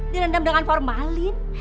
direndam dengan formalin